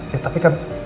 ya tapi kan